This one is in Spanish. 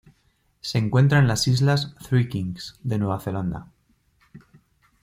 Se encuentra en las islas Three Kings de Nueva Zelanda.